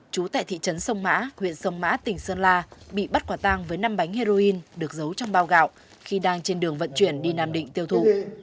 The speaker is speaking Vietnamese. chú tại thị trấn sông mã huyện sông mã tỉnh sơn la bị bắt quả tang với năm bánh heroin được giấu trong bao gạo khi đang trên đường vận chuyển đi nam định tiêu thụ